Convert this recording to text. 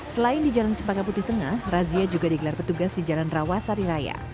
selain di jalan sepaka putih tengah razia juga digelar petugas di jalan rawasari raya